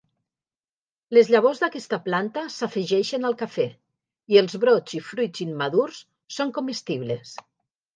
Les llavors d'aquesta planta s'afegeixen al cafè i els brots i fruits immadurs són comestibles.